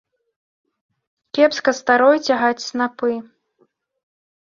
Кепска старой цягаць снапы.